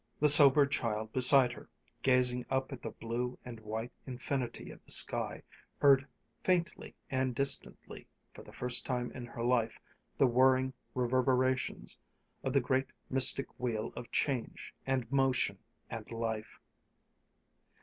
The sobered child beside her, gazing up at the blue and white infinity of the sky, heard faintly and distantly, for the first time in her life, the whirring reverberations of the great mystic wheel of change and motion and life.